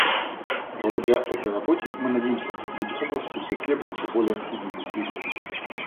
Благодаря этой работе мы надеемся определить области, где требуются более активные усилия.